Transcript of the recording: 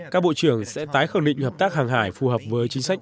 các bộ trưởng sẽ tái khẳng định hợp tác hàng hải phù hợp với chính sách